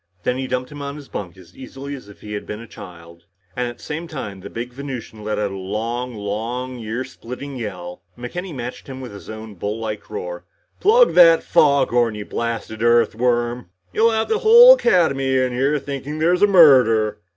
Then he dumped him in his bunk as easily as if he had been a child. And at the same time, the big Venusian let out a loud, long, earsplitting yell. McKenny matched him with his bull like roar. "Plug that foghorn, you blasted Earthworm. You'll have the whole Academy in here thinking there's a murder."